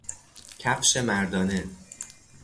کفش مردانه